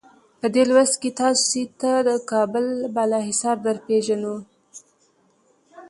په دې لوست کې تاسې ته کابل بالا حصار درپېژنو.